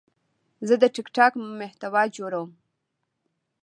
زه د ټک ټاک محتوا جوړوم.